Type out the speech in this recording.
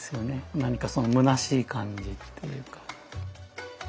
なにかそのむなしい感じっていうか。